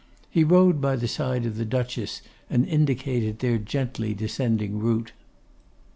He rode by the side of the Duchess, and indicated their gently descending route.